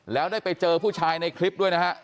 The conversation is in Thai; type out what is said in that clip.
แล้วได้ไปเจอผู้ชายในคลิปด้วยนะฮะ